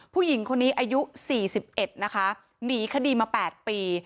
ผู้หญิงคนนี้อายุ๔๑นะคะหนีคดีมา๘ปี